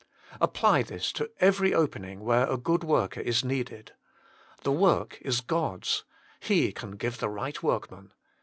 Apply this to every opening where a good worker is needed. The work is God s. He can give the right workman.